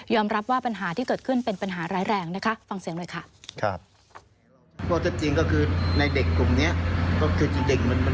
รับว่าปัญหาที่เกิดขึ้นเป็นปัญหาร้ายแรงนะคะฟังเสียงหน่อยค่ะ